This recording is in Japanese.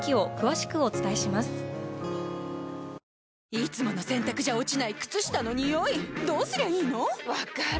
いつもの洗たくじゃ落ちない靴下のニオイどうすりゃいいの⁉分かる。